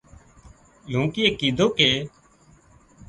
لونڪيئي ڪيڌون ڪي